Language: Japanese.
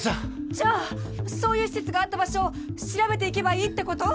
じゃそういう施設があった場所を調べていけばいいってこと？